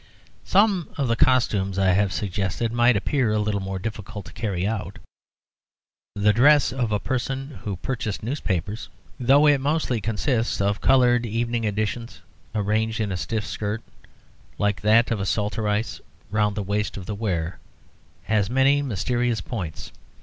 Some of the costumes I have suggested might appear a little more difficult to carry out. The dress of a person who purchases newspapers (though it mostly consists of coloured evening editions arranged in a stiff skirt, like that of a saltatrice, round the waist of the wearer) has many mysterious points.